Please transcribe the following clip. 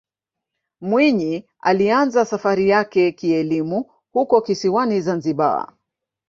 mwinyi alianza safari yake kielimu huko kisiwani zanzibar